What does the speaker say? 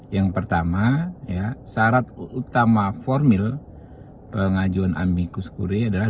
yang pertama syarat utama formil pengajuan amikus kure adalah